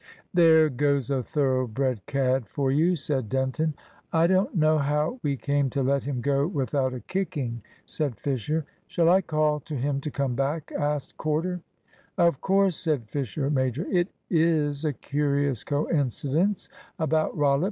"There's goes a thoroughbred cad for you," said Denton. "I don't know how we came to let him go without a kicking," said Fisher. "Shall I call to him to come back?" asked Corder. "Of course," said Fisher major, "it is a curious coincidence about Rollitt.